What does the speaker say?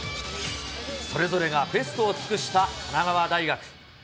それぞれがベストを尽くした神奈川大学。